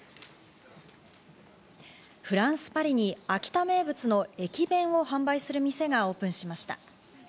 フランス・パリに秋田名物の駅弁を販売する店がオープンしました。